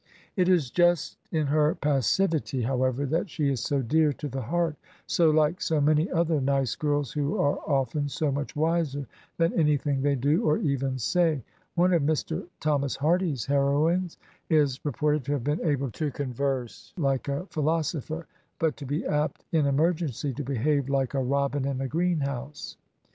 It is just in her passivity, however, that she is so dear to the heart, so like so many other nice girls who are often so much wiser than any thing they do, or even say. One of Mr.' Thomas Hardy's heroines is reported to have been able to converse like a philosopher, but to be apt, in emergency, to behave like a robin in a green house.